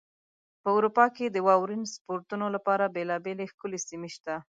په اروپا کې د واورین سپورتونو لپاره بېلابېلې ښکلې سیمې شته.